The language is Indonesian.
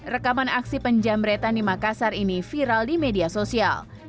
rekaman aksi penjamretan di makassar ini viral di media sosial